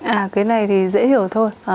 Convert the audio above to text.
à cái này thì dễ hiểu thôi